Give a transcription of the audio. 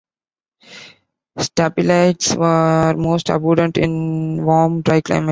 Stapeliads are most abundant in warm, dry climates.